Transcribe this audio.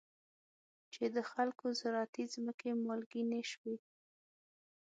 چې د خلکو زراعتي ځمکې مالګینې شوي.